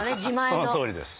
そのとおりです。